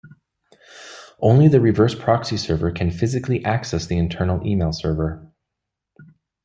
Only the reverse proxy server can physically access the internal email server.